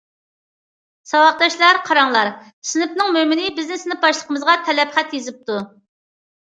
ساۋاقداشلار، قاراڭلار، سىنىپنىڭ مۆمىنى بىزنى سىنىپ باشلىقىمىزغا تەلەپ خەت يېزىپتۇ!